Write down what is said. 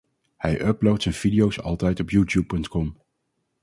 Hij uploadt zijn video's altijd op YouTube.com.